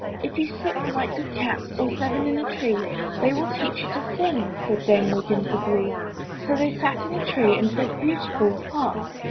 ''If you sit, like good cats, All seven in a tree, They will teach you to sing!' Said Dame Wiggins of Lee. So they sat in a tree. And said, "Beautiful! Hark!"